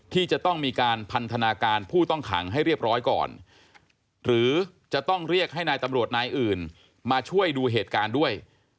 ที่จะต้องมีการพันธนาการผู้ต้องขังให้เรียบร้อยก่อนหรือจะต้องเรียกให้นายตำรวจนายอื่นมาช่วยดูเหตุการณ์ด้วย